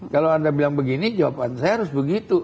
kalau anda bilang begini jawaban saya harus begitu